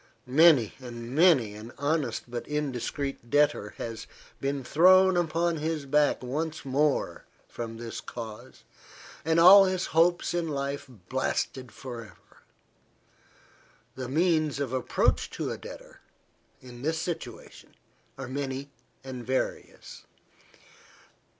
Many and many an honest but indiscreet debtor has been thrown upon his back once more from this cause, and all his hopes in life blasted for ever. The means of approach to a debtor, in this situation, are many and various.